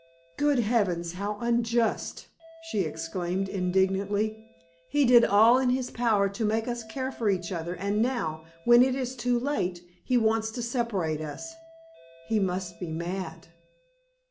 "Good heavens! how unjust!" she exclaimed, indignantly. "He did all in his power to make us care for each other, and now, when it is too late, he wants to separate us. He must be mad!"